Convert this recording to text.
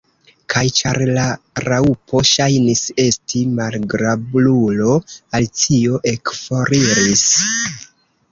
Kaj ĉar la Raŭpo ŝajnis esti malagrablulo, Alicio ekforiris.